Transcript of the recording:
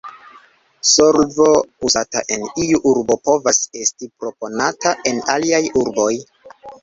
Solvo uzata en iu urbo povas esti proponata en aliaj urboj.